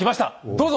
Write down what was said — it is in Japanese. どうぞ！